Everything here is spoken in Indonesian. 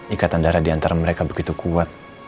ikatan darah diantara mereka begitu kuat